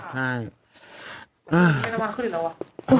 ทำไมน้ำมันขึ้นแล้วอ่ะ